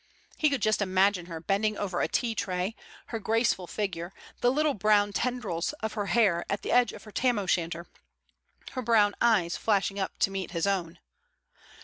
He could just imagine her bending over a tea tray, her graceful figure, the little brown tendrils of her hair at the edge of her tam o' shanter, her brown eyes flashing up to meet his own....